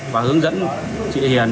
và hướng dẫn chị hiền